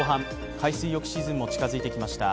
海水浴シーズンも近づいてきました。